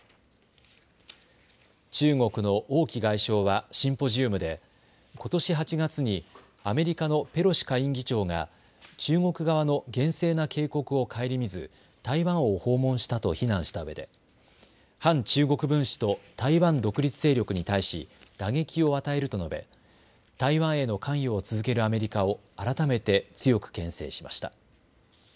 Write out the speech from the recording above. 中国の王毅外相はシンポジウムでことし８月にアメリカのペロシ下院議長が中国側の厳正な警告を顧みず台湾を訪問したと非難したうえで反中国分子と台湾独立勢力に対し打撃を与えると述べ台湾への関与を続けるアメリカを改めて強くけん制しました。